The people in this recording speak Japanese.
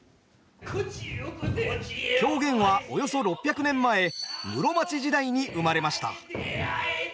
狂言はおよそ６００年前室町時代に生まれました。